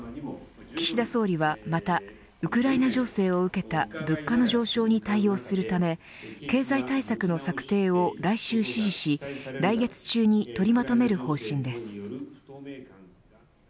岸田総理はまたウクライナ情勢を受けた物価の上昇に対応するため経済対策の策定を来週指示し来月中に取りまとめる方針です。